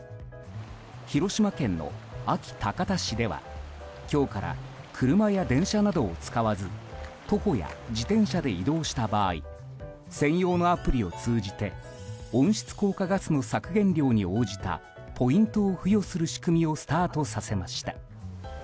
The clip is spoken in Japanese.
広島県の安芸高田市では今日から車や電車などを使わず徒歩や自転車で移動した場合専用のアプリを通じて温室効果ガスの削減量に応じたポイントを付与する仕組みをスタートさせました。